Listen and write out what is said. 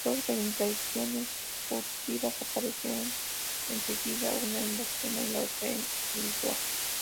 Dos reimpresiones furtivas aparecieron enseguida, una en Barcelona y la otra en Lisboa.